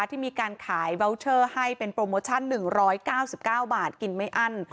ที่มีการขายเบาเชอร์ให้เป็นโปรโมชั่น๑๙๙บาทกินไม่อั้น